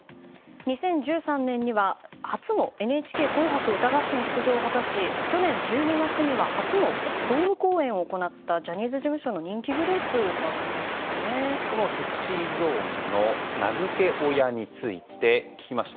２０１３年には初の「ＮＨＫ紅白歌合戦」出場を果たし去年１２月には初のドーム公演を行ったジャニーズ事務所のこのＳｅｘｙＺｏｎｅの名付け親について聞きました。